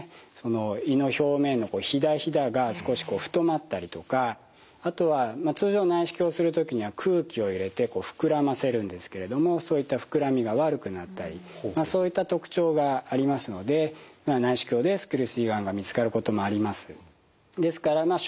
胃の表面のひだひだが少しこう太まったりとかあとは通常内視鏡をする時には空気を入れて膨らませるんですけれどもそういった膨らみが悪くなったりそういった特徴がありますので内視鏡でスキルス胃がんが見つかることもあります。